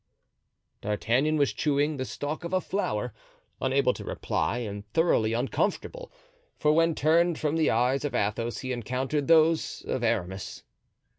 D'Artagnan was chewing the stalk of a flower, unable to reply and thoroughly uncomfortable; for when turned from the eyes of Athos he encountered those of Aramis.